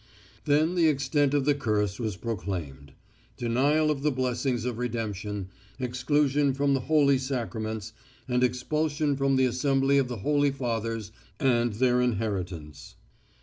Then the extent of the curse was proclaimed: denial of the blessings of redemption, exclusion from the Holy Sacraments, and expulsion from the assembly of the holy fathers and their inheritance.